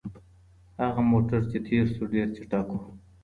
هغه موټر چي تېر سو ډېر چټک و.